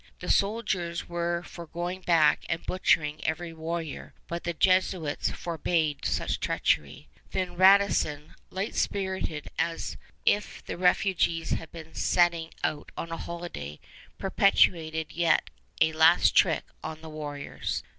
The soldiers were for going back and butchering every warrior, but the Jesuits forbade such treachery. Then Radisson, light spirited as if the refugees had been setting out on a holiday, perpetrated yet a last trick on the warriors.